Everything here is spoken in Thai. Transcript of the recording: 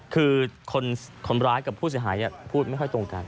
คือคนร้ายกับผู้เสียหายพูดไม่ค่อยตรงกัน